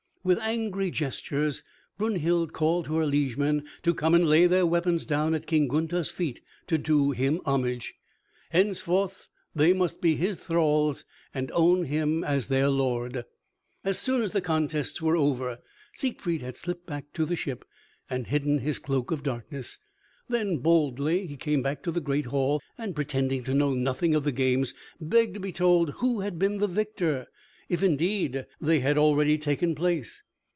With angry gestures Brunhild called to her liegemen to come and lay their weapons down at King Gunther's feet to do him homage. Henceforth they must be his thralls and own him as their lord. As soon as the contests were over, Siegfried had slipped back to the ship and hidden his Cloak of Darkness. Then boldly he came back to the great hall, and pretending to know nothing of the games begged to be told who had been the victor, if indeed they had already taken place.